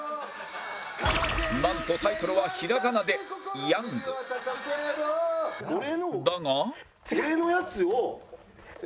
なんとタイトルは平仮名でだが